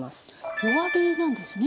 弱火なんですね。